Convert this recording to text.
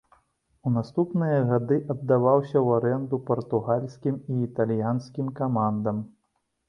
У наступныя гады аддаваўся ў арэнду партугальскім і італьянскім камандам.